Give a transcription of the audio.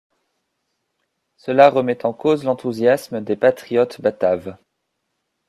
Cela remet en cause l'enthousiasme des patriotes bataves.